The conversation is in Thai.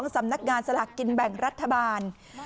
สำนักงานสลากกินแบ่งรัฐบาล